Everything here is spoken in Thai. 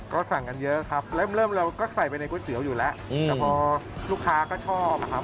ก็สั่งกันเยอะครับเริ่มเราก็ใส่ไปในก๋วยเตี๋ยวอยู่แล้วแต่พอลูกค้าก็ชอบอะครับ